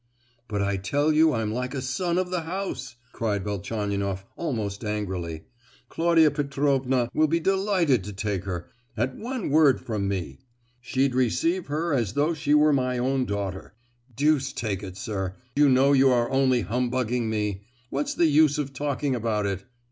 "But I tell you I'm like a son of the house!" cried Velchaninoff, almost angrily. "Claudia Petrovna will be delighted to take her, at one word from me! She'd receive her as though she were my own daughter. Deuce take it, sir, you know you are only humbugging me,—what's the use of talking about it?"